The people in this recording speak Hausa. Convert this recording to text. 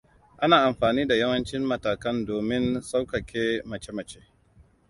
Ana amfani da yawancin matakan domin sauƙaƙe mace-mace